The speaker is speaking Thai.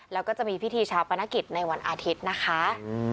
แล้วก็จะมีพิธีชาปนกิจในวันอาทิตย์นะคะ